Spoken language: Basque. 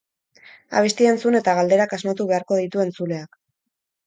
Abestia entzun eta galderak asmatu beharko ditu entzuleak.